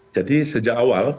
jadi sejak awal